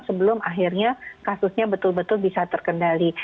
sebelum akhirnya kasusnya betul betul bisa terkendali